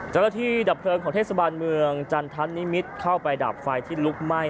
ดับเพลิงของเทศบาลเมืองจันทัศนิมิตรเข้าไปดับไฟที่ลุกไหม้